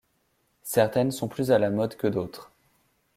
Certaines sont plus à la mode que d'autres.